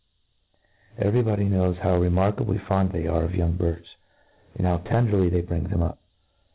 Every body knows how remarkably fond they are of young birds, and how tenderly they bring them up.